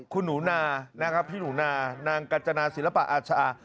คุณหนุนาพี่หนุนานางกัจจนาศิลปะอาชาา